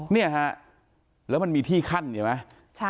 เนี่ยฮะแล้วมันมีที่ขั้นเห็นไหม